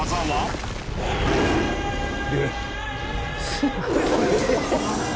すごい！